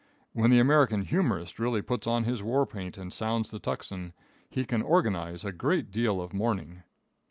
When the American humorist really puts on his war paint and sounds the tocsin, he can organize a great deal of mourning.